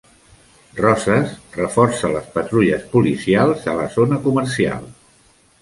Roses reforça les patrulles policials a la zona comercial.